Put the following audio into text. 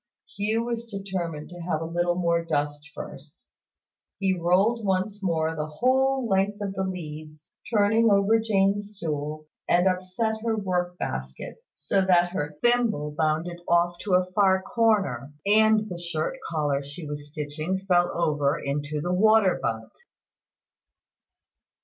Hugh was determined to have a little more dust first. He rolled once more the whole length of the leads, turned over Jane's stool, and upset her work basket, so that her thimble bounded off to a far corner, and the shirt collar she was stitching fell over into the water butt.